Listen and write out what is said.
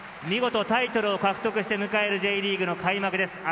見事タイトル獲得して迎えるＪリーグの開幕です。